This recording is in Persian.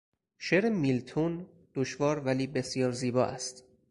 شعر میلتون دشوار ولی بسیار زیبا است.